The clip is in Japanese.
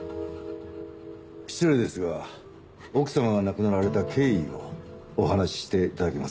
失礼ですが奥様が亡くなられた経緯をお話しして頂けますか？